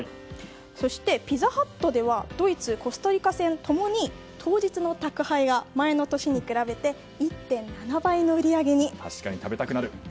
そして、ピザハットではドイツ、コスタリカ戦共に当日の宅配が前の年に比べて確かに食べたくなる。